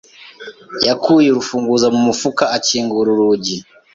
yakuye urufunguzo mu mufuka akingura urugi.